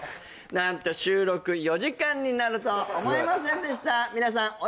何と収録４時間になると思いませんでした皆さん